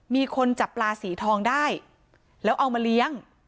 มีคนจับปลาสีทองได้แล้วเอามาเลี้ยง